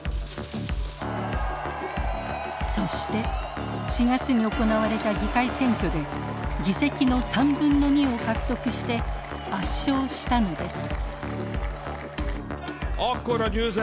そして４月に行われた議会選挙で議席の３分の２を獲得して圧勝したのです。